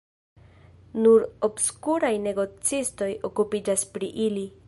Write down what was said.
Nur obskuraj negocistoj okupiĝas pri ili.